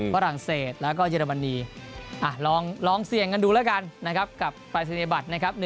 ฝรั่งเศสแล้วก็เยอรมนีลองเสี่ยงกันดูแล้วกันนะครับกับปรายศนียบัตรนะครับ